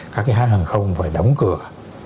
các cái hãng hàng không phải đóng cửa